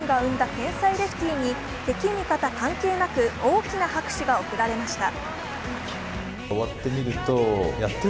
日本が生んだ天才レフティーに敵味方関係なく大きな拍手が送られました。